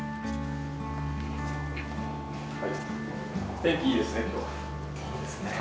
天気いいですね今日。